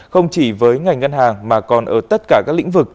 không chỉ với ngành ngân hàng mà còn ở tất cả các lĩnh vực